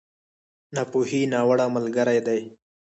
ناپوهي، ناوړه ملګری دی.